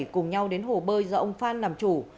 cùng nhau đến hồ bơi do ông phan làm chủ